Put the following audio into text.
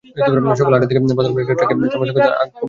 সকাল আটটার দিকে পাথরবোঝাই একটি ট্রাককে থামার সংকেত দেন কোবাদ আলী।